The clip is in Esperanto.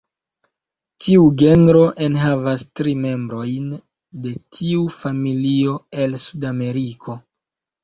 Tiu genro enhavas tri membrojn de tiu familio el Sudameriko.